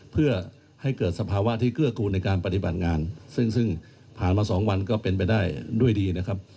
เพื่อให้เกิดสภาวะที่เกื้อกูลในการปฏิบัติงานซึ่งซึ่งผ่านมา๒วันก็เป็นไปได้ด้วยดีนะครับ